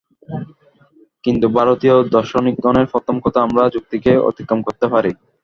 কিন্তু ভারতীয় দার্শনিকগণের প্রথম কথা আমরা যুক্তিকে অতিক্রম করিতে পারি।